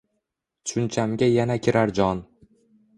Tushunchamga yana kirar jon.